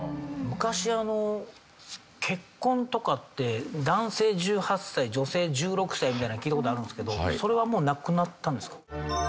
昔結婚とかって男性１８歳女性１６歳みたいなの聞いた事あるんですけどそれはもうなくなったんですか？